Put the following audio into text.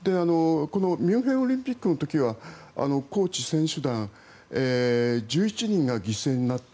ミュンヘンオリンピックの時はコーチ、選手団１１人が犠牲になった。